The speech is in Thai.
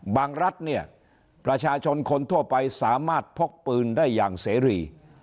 รัฐเนี่ยประชาชนคนทั่วไปสามารถพกปืนได้อย่างเสรี